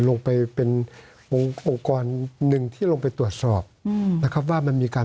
ลงไปเป็นองค์กรหนึ่งที่ลงไปตรวจสอบนะครับ